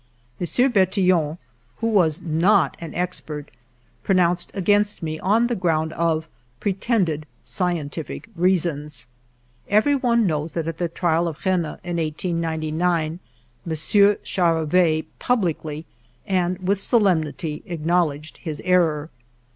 M. Bertillon, who was not an ex pert, pronounced against me on the ground of pretended scientific reasons. Every one knows that, at the trial at Rennes in 1899, ^* Charavay publicly and with solemnity acknowledged his error.